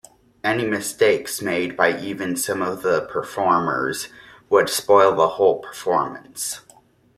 Any mistakes made by even some of the performers would spoil the whole performance.